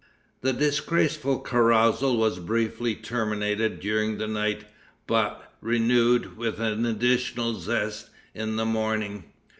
The disgraceful carousal was briefly terminated during the night, but renewed, with additional zest, in the morning.